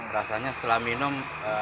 rasanya setelah minum